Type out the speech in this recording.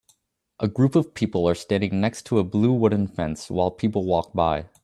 A group of people are standing next to a blue wooden fence while people walk by